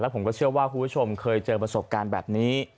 ผมก็เชื่อว่าคุณผู้ชมเคยเจอประสบการณ์แบบนี้